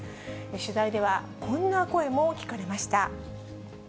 取材では、こんな声も聞かれました。